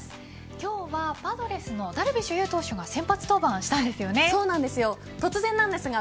今日はパドレスのダルビッシュ有投手が先発登板したんですよね。